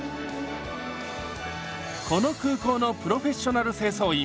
この空港のプロフェッショナル清掃員